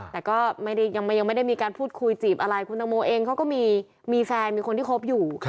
แต่ก็ยังไม่ได้มีการพูดคุยจีบอะไรคุณตังโมเองเขาก็มีแฟนมีคนที่คบอยู่